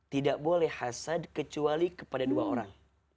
tidak boleh hasad kecuali kepada dua orang